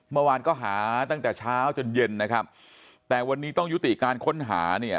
เมื่อวานก็หาตั้งแต่เช้าจนเย็นนะครับแต่วันนี้ต้องยุติการค้นหาเนี่ย